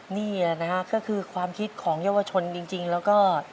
นี่แหละนะฮะก็คือความคิดของเยาวชนจริงแล้วก็